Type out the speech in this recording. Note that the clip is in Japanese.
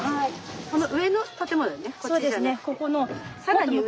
この上の建物だよね。